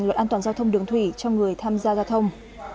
luật an toàn giao thông đường thủy cho người tham gia giao thông